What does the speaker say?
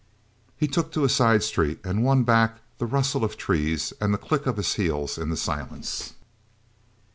He took to a side street, and won back the rustle of trees and the click of his heels in the silence.